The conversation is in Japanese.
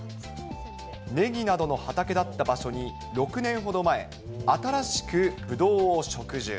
ネギなどの畑だった場所に６年ほど前、新しくブドウを植樹。